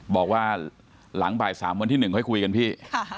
บอกว่าหลังบ่าย๓วันที่๑ค่อยคุยกันพี่